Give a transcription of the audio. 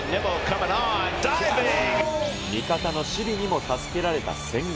味方の守備にも助けられた千賀。